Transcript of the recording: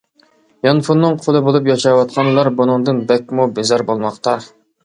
يانفوننىڭ قۇلى بولۇپ ياشاۋاتقانلار بۇنىڭدىن بەكمۇ بىزار بولماقتا.